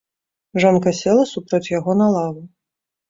Жонка села супроць яго на лаву.